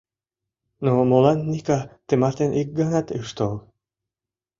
Но молан Ника тымартен ик ганат ыш тол...